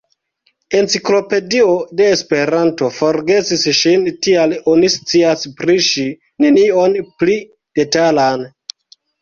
Enciklopedio de Esperanto forgesis ŝin, tial oni scias pri ŝi nenion pli detalan.